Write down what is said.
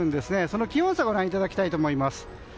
その気温差ご覧いただきたいと思います。